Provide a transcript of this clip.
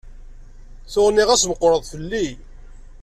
Tuɣ nniɣ-as meqqreḍ fell-i.